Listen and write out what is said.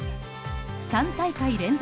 ３大会連続